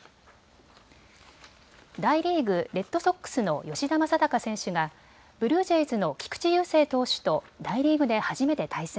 大リーグ、レッドソックスの吉田正尚選手がブルージェイズの菊池雄星投手と大リーグで初めて対戦。